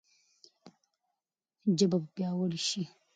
ژبه به پیاوړې شي.